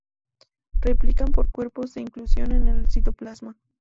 Replican por cuerpos de inclusión en el citoplasma.